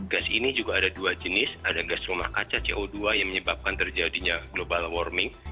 gas ini juga ada dua jenis ada gas rumah kaca co dua yang menyebabkan terjadinya global warming